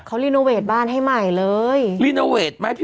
เขาลินโอเวทบ้านให้ใหม่เลย